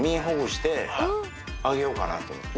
あげようかなと思って。